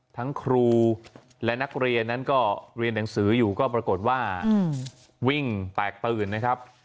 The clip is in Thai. ทั้งครูและนักเรียนนั้นก็เรียนหนังสืออยู่ก็ปรากฏว่าวิ่งแตกตื่นนะครับ